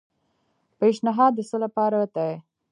پیشنھاد د څه لپاره دی؟